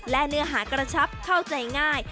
และเนื้อหากระชับเข้าใจง่าย